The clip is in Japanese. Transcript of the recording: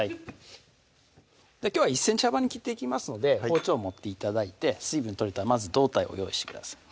きょうは１ｃｍ幅に切っていきますので包丁を持って頂いて水分取れたまず胴体を用意してください